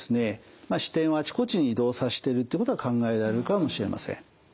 視点をあちこちに移動さしてるってことは考えられるかもしれません。